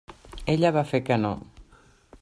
Ella va fer que no.